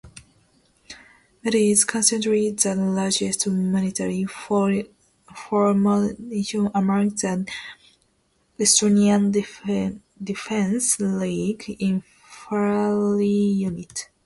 It is currently the largest military formation among the Estonian Defence League infantry units.